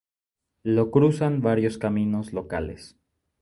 Lo cruzan varios caminos locales.